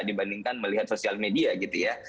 dibandingkan melihat sosial media gitu ya